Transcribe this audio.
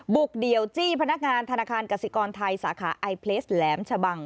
เดี่ยวจี้พนักงานธนาคารกสิกรไทยสาขาไอเพลสแหลมชะบัง